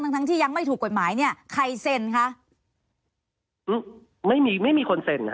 ทั้งทั้งที่ยังไม่ถูกกฎหมายเนี่ยใครเซ็นคะไม่มีไม่มีคนเซ็นอ่ะ